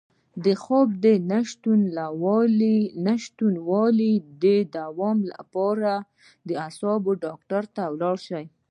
د خوب د نشتوالي د دوام لپاره د اعصابو ډاکټر ته لاړ شئ